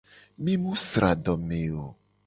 Mi mu sra adome o.